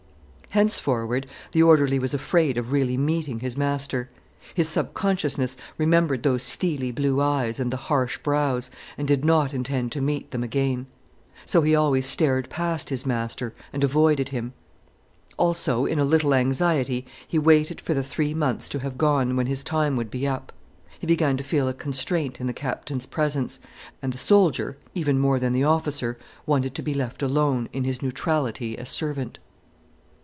Henceforward the orderly was afraid of really meeting his master. His subconsciousness remembered those steely blue eyes and the harsh brows, and did not intend to meet them again. So he always stared past his master, and avoided him. Also, in a little anxiety, he waited for the three months to have gone, when his time would be up. He began to feel a constraint in the Captain's presence, and the soldier even more than the officer wanted to be left alone, in his neutrality as servant.